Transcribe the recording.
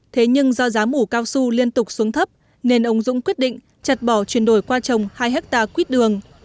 thế nhưng do giá mủ cao su liên tục xuống thấp nên ông dũng quyết định chặt bỏ chuyển đổi qua trồng hai hectare quyết đường